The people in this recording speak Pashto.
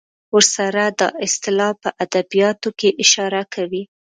ورسره دا اصطلاح په ادبیاتو کې اشاره کوي.